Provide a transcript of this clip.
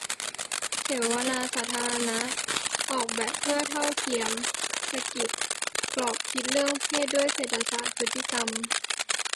เสวนาสาธารณะ "ออกแบบเพื่อเท่าเทียม 'สะกิด' กรอบคิดเรื่องเพศด้วยเศรษฐศาสตร์พฤติกรรม"